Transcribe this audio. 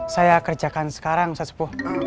saya kerjakan sekarang ustaz sepuh